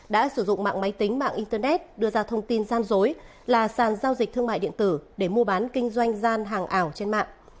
đã sử dụng mạng máy tính mạng internet đưa ra thông tin gian dối là sàn giao dịch thương mại điện tử để mua bán kinh doanh gian hàng ảo trên mạng